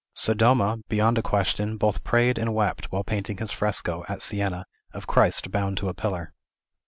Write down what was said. Sodoma, beyond a question, both prayed and wept, while painting his fresco, at Siena, of Christ bound to a pillar.